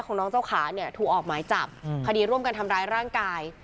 น้องเจ้าขาเนี่ยถูกออกหมายจับคดีร่วมกันทำร้ายร่างกาย